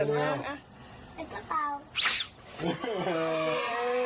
แล้วก็เปา